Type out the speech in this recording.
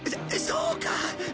そそうか！